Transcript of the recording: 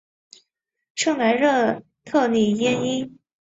圣莱热特里耶伊。